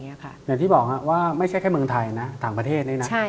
อย่างที่บอกว่าไม่ใช่แค่เมืองไทยนะต่างประเทศนี่นะ